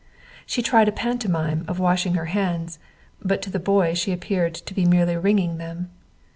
She tried a pantomime of washing her hands, but to the boy she had appeared to be merely wringing them.